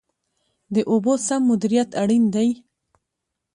د اوبو سم مدیریت اړین دی